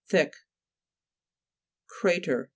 Thick. CHA'TER fr.